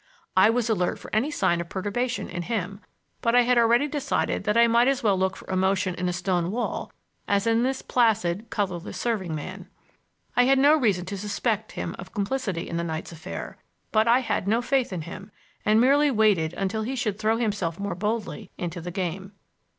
I was alert for any sign of perturbation in him; but I had already decided that I might as well look for emotion in a stone wall as in this placid, colorless serving man. I had no reason to suspect him of complicity in the night's affair, but I had no faith in him, and merely waited until he should throw himself more boldly into the game.